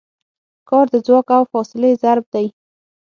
کار د ځواک او فاصلې ضرب دی.